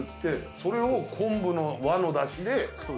それを昆布の和のだしで割る？